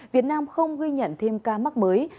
việt nam không ghi nhận thêm ca mắc mới